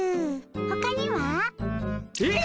ほかには？えっ？